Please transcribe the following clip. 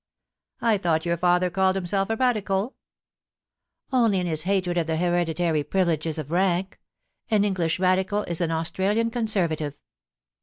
* I thought your father called himself a Radical ?'* Only in his hatred of the hereditary privileges of rank. An English Radical is an Australian Conservative.'